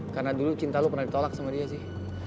karena dulu cinta lu pernah ditolak sama dia sih